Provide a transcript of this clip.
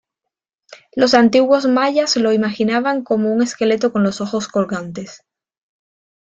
Los antiguos mayas lo imaginaban como un esqueleto con los ojos colgantes.